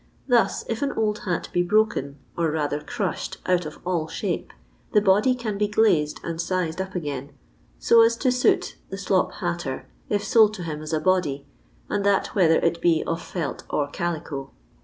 Thna if an old hat be broken, or rather cruahed out of all shape, the body can be glazed and tiled up again so as to suit the slop batter, if lold to bim aa n body, and that whether it be of felt or calieo.